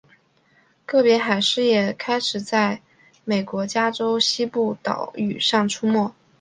个别海狮也开始在美国加州西部岛屿上出没。